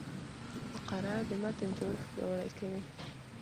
فقره د متن جوړښت پیاوړی کوي.